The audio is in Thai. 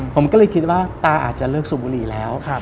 ผมก็เลยคิดว่าตาอาจจะเลิกสูบบุหรี่แล้ว